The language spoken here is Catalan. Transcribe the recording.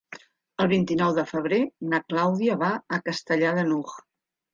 El vint-i-nou de febrer na Clàudia va a Castellar de n'Hug.